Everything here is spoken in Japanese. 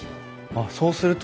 あっそうすると。